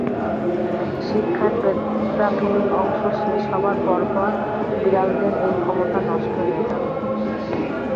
শিক্ষার প্রাথমিক অংশ শেষ হবার পরপর বিড়ালদের এই ক্ষমতা নষ্ট হয়ে যাবে।